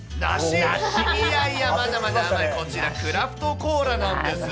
いやいや、まだまだ甘い、こちら、クラフトコーラなんです。